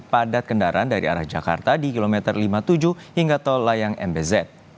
padat kendaraan dari arah jakarta di kilometer lima puluh tujuh hingga tol layang mbz